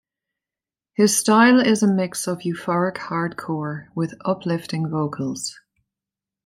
His style is a mix of euphoric hardcore with uplifting vocals.